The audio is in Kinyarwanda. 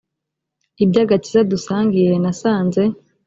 iby agakiza dusangiye nasanze